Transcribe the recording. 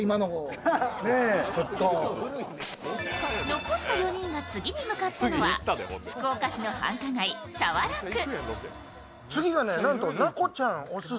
残った４人が次に向かったのは、福岡市の繁華街、早良区。